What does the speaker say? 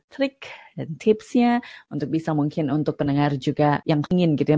dan tips nya untuk bisa mungkin untuk pendengar juga yang ingin gitu ya